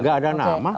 gak ada nama